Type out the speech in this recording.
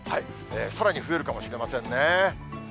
さらに増えるかもしれませんね。